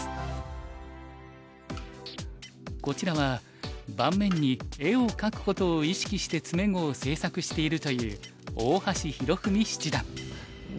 こちらは盤面に画を書くことを意識して詰碁を制作しているという大橋拓文七段。